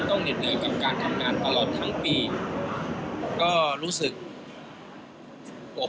ต้องเดี๋ยวจะการทำงานตลอดทางปีก็รู้สึกบวก